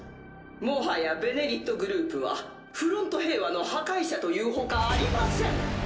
もはや「ベネリット」グループはフロント平和の破壊者というほかありません。